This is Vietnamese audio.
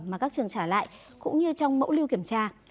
mà các trường trả lại cũng như trong mẫu lưu kiểm tra